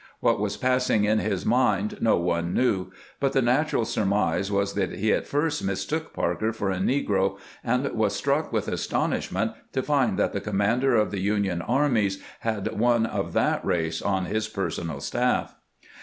What was passing in his mind no one knew, but the natural surmise was that he at first mistook Parker for a negro, and was struck with astonishment to find that the commander of the Union armies had one of that race on his personal staff.